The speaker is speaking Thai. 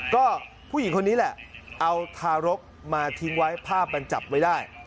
ก็ผู้หญิงคนนี้แหละเอาทารกมาทิ้งไว้ภาพมันจับไว้ได้